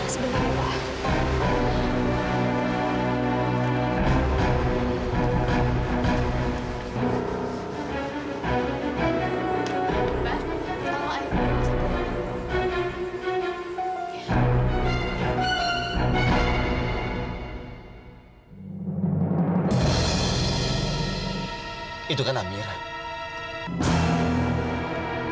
sebentar ya pak